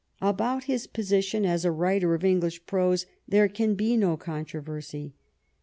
About his position as a writer of English prose there can be no controversy.